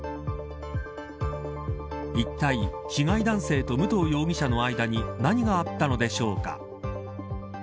いったい被害男性と武藤容疑者の間に何があったのでしょうか。